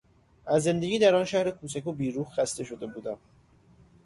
از زندگی در آن شهر کوچک و بی روح خسته شده بودم.